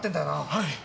はい。